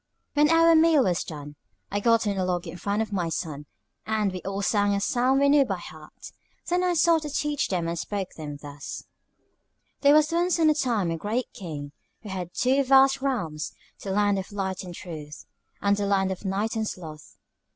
When our meal was done, I got on a log in front of my sons, and we all sang a psalm we knew by heart. Then I sought to teach them and spoke to them thus: "There was once on a time a Great King, who had two vast realms, the Land of Light and Truth, and the Land of Night and Sloth.